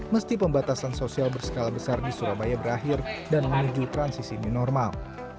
mesti pembatasan sosial berskala besar di surabaya berakhir dan menuju transisi new normal